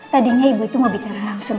tadinya ibu itu mau bicara langsung